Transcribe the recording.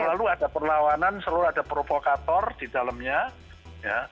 selalu ada perlawanan selalu ada provokator di dalamnya ya